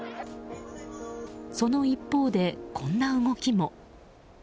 その一方でこんな動きも。